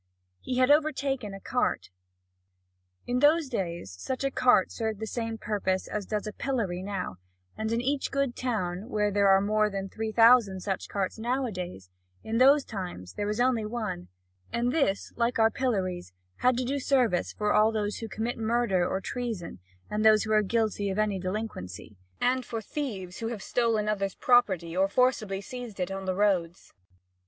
He had overtaken a cart. In those days such a cart served the same purpose as does a pillory now; and in each good town where there are more than three thousand such carts nowadays, in those times there was only one, and this, like our pillories, had to do service for all those who commit murder or treason, and those who are guilty of any delinquency, and for thieves who have stolen others' property or have forcibly seized it on the roads.